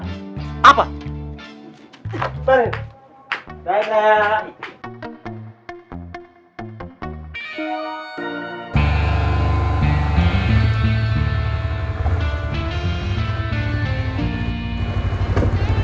iiih mau di alemp roman tiakan kayak gini kan